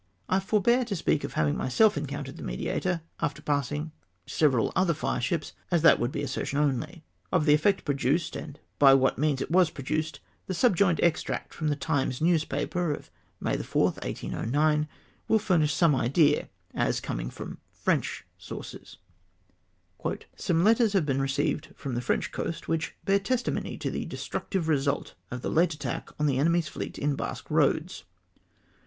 ! I forbear to speak of having myself encountered the Mediator after passing several other fireships, as that would be assertion only. Of the effect produced, and by what means it was produced, the subjoined extract from the Times newspaper of May 4th. 1809, will furnish some idea, as coming from French sources :—" Some letters fiave been received from the French coast, which bear testimony to the destructive result of the late attack an the enemy's fleet in Basque Eoads.